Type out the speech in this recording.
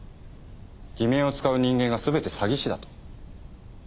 偽名を使う人間が全て詐欺師だと？